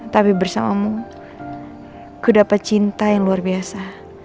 tapi bersamamu kudapat cinta yang luar biasa